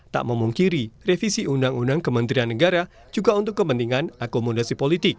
tak memungkiri revisi undang undang kementerian negara juga untuk kepentingan akomodasi politik